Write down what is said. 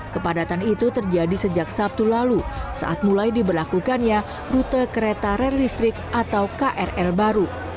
kepadatan itu terjadi sejak sabtu lalu saat mulai diberlakukannya rute kereta rel listrik atau krl baru